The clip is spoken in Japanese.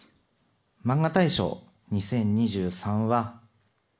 マンガ大賞２０２３は。